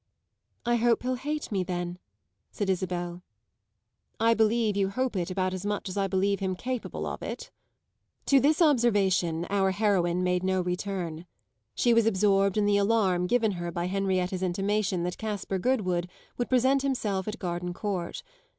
"I hope he'll hate me then," said Isabel. "I believe you hope it about as much as I believe him capable of it." To this observation our heroine made no return; she was absorbed in the alarm given her by Henrietta's intimation that Caspar Goodwood would present himself at Gardencourt.